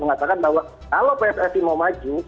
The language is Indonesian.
mengatakan bahwa kalau pssi mau maju